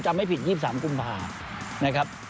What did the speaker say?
ไม่ผิด๒๓กุมภานะครับ